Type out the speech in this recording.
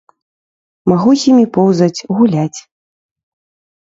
Магу з імі поўзаць, гуляць.